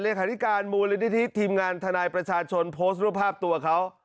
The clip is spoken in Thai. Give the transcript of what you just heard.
ธิการมูลนิธิทีมงานทนายประชาชนโพสต์รูปภาพตัวเขา